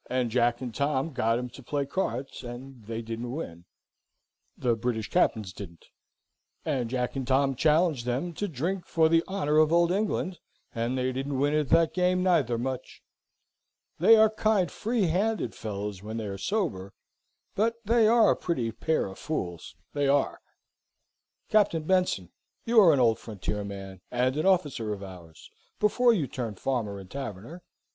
And Jack and Tom got 'em to play cards; and they didn't win the British Captains didn't. And Jack and Tom challenged them to drink for the honour of Old England, and they didn't win at that game, neither, much. They are kind, free handed fellows when they are sober, but they are a pretty pair of fools they are." "Captain Benson, you are an old frontier man, and an officer of ours, before you turned farmer and taverner.